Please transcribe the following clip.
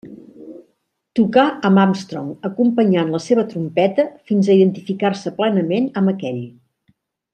Tocà amb Armstrong acompanyant la seva trompeta fins a identificar-se plenament amb aquell.